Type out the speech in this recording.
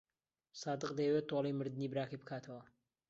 سادق دەیەوێت تۆڵەی مردنی براکەی بکاتەوە.